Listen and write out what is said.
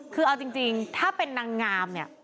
คือเอาจริงถ้าเป็นนางงามเนี่ย